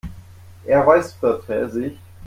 Er räusperte sich.